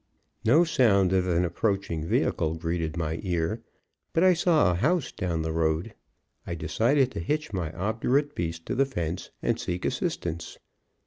No sound of an approaching vehicle greeted my ear, but I saw a house down the road. I decided to hitch my obdurate beast to the fence and seek assistance.